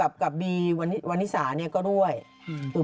แล้วก็เล่นบีวันนิสาก็ร่วง